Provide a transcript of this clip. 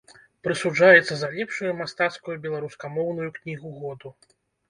Прысуджаецца за лепшую мастацкую беларускамоўную кнігу году.